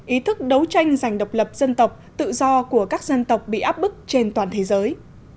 ý thức đấu tranh giành độc lập dân tộc tự do của các dân tộc bị áp bức trên toàn thế giới